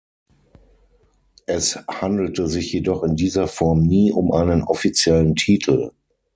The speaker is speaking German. Es handelte sich jedoch in dieser Form nie um einen offiziellen Titel.